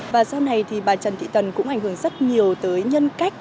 và sau này thì bà trần thị tần cũng ảnh hưởng rất nhiều tới nhân cách